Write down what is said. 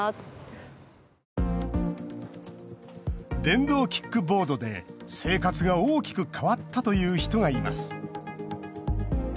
電動キックボードで生活が大きく変わったという人がいます。